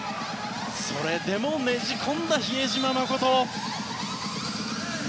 それでも、ねじ込んだ比江島慎。